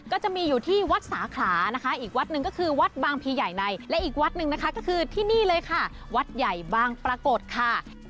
ก็จะมีอยู่ที่วัดสาขลานะคะอีกวัดหนึ่งก็คือวัดบางพีใหญ่ในและอีกวัดหนึ่งนะคะก็คือที่นี่เลยค่ะวัดใหญ่บางปรากฏค่ะ